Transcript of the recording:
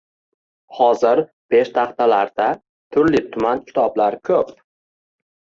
Hozir peshtaxtalarda turli-tuman kitoblar ko‘p.